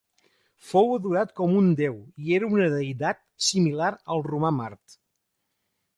Fou adorat com un deu i era una deïtat similar al romà Mart.